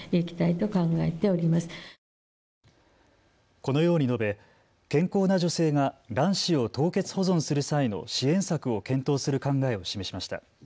このように述べ、健康な女性が卵子を凍結保存する際の支援策を検討する考えを示しました。